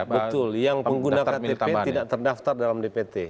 betul yang pengguna ktp tidak terdaftar dalam dpt